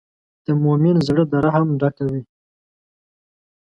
د مؤمن زړۀ د رحم ډک وي.